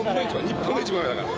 日本の一番上だから。